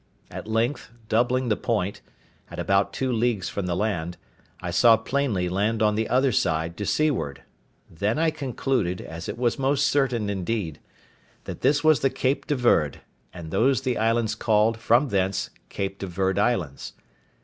At length, doubling the point, at about two leagues from the land, I saw plainly land on the other side, to seaward; then I concluded, as it was most certain indeed, that this was the Cape de Verde, and those the islands called, from thence, Cape de Verde Islands.